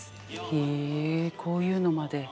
へえこういうのまで。